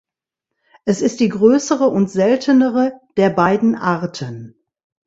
Es ist die größere und seltenere der beiden Arten.